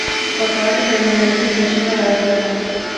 Kwa kawaida linarejea biashara ya watumwa